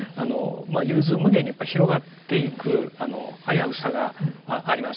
融通無碍にやっぱり広がっていく危うさがありますよね。